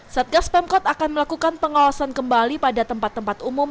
satgas pemkot akan melakukan pengawasan kembali pada tempat tempat umum